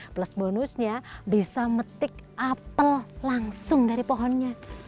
plus bonusnya bisa metik apel langsung dari pohonnya